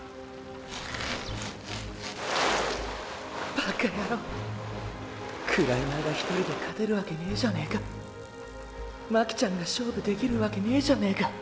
バカヤロウクライマーが１人で勝てるわけねェじゃねェか巻ちゃんが勝負できるわけねェじゃねぇか